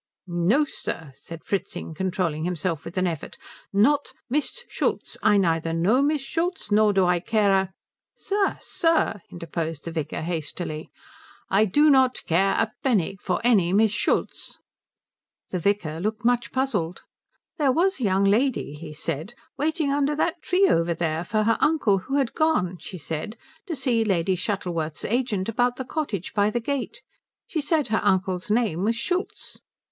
"No sir," said Fritzing, controlling himself with an effort, "not Miss Schultz. I neither know Miss Schultz nor do I care a " "Sir, sir," interposed the vicar, hastily. "I do not care a pfenning for any Miss Schultz." The vicar looked much puzzled. "There was a young lady," he said, "waiting under that tree over there for her uncle who had gone, she said, to see Lady Shuttleworth's agent about the cottage by the gate. She said her uncle's name was Schultz."